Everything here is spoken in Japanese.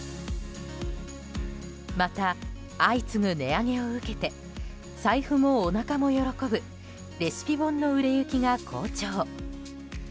また、相次ぐ値上げを受けて財布もおなかも喜ぶレシピ本の売れ行きが好調。